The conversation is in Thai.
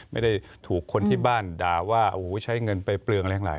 ไม่ได้ถูกคนที่บ้านด่าว่าโอ้โหใช้เงินไปเปลืองอะไรทั้งหลาย